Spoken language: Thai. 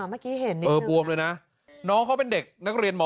เมื่อกี้เห็นนิดหนึ่งนะครับน้องเขาเป็นเด็กนักเรียนม๒